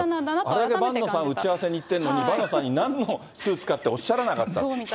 あれだけ伴野さん打ち合わせに行ってるのに、伴野さんになんのスーツかおっしゃらなかった。